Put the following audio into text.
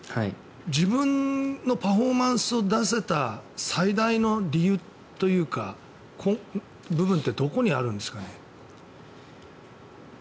自分のパフォーマンスを出せた最大の理由というかそういう部分ってどこにあるんですかね。